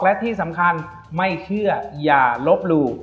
และที่สำคัญไม่เชื่ออย่าลบหลู่